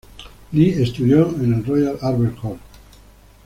Lee estudió en el Royal Albert Hall.